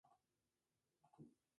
Fue en el Journal of Commerce.